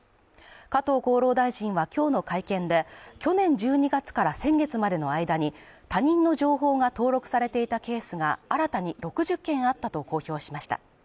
加藤厚労大臣は今日の会見で、去年１２月から先月までの間に他人の情報が登録されていたケースが新たに６０件あったと公表しました。